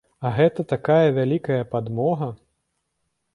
А гэта такая вялікая падмога.